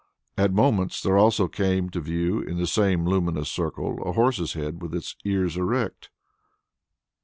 At moments there also came to view in the same luminous circle a horse's head with its ears erect.